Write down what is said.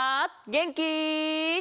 げんき？